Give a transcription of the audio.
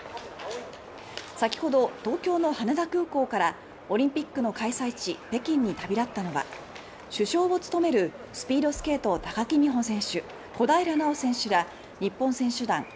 さきほど、東京の羽田空港からオリンピックの開催地・北京に旅立ったのは主将を務めるスピードスケート高木美帆選手、小平奈緒選手ら日本選手団